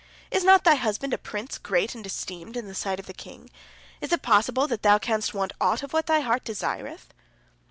Is not thy husband a prince great and esteemed in the sight of the king? Is it possible that thou canst want aught of what thy heart desireth?"